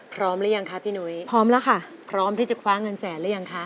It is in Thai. หรือยังคะพี่หนุ้ยพร้อมแล้วค่ะพร้อมที่จะคว้าเงินแสนหรือยังคะ